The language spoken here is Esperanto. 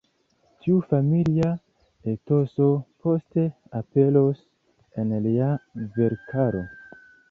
Tiu familia etoso poste aperos en lia verkaro.